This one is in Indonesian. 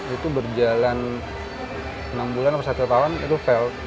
itu berjalan enam bulan atau satu tahun itu fail